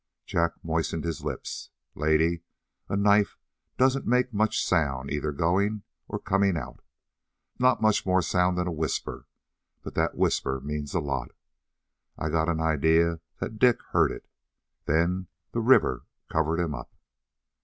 Jack moistened his lips. "Lady, a knife don't make much sound either going or coming out not much more sound than a whisper, but that whisper means a lot. I got an idea that Dick heard it. Then the river covered him up."